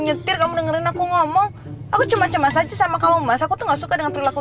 nyetir kamu dengerin aku ngomong aku cuma cemas aja sama kamu mas aku tuh gak suka dengan perilaku